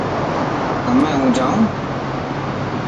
همي هون جائون.